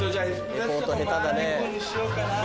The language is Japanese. リポート下手だね。